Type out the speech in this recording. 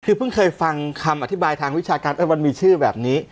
คือเพิ่งเคยฟังคำอธิบายทางวิชาการมันมีชื่อแบบนี้